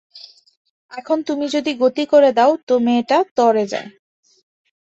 এখন তুমি যদি গতি করে দাও তো মেয়েটা তরে যায়।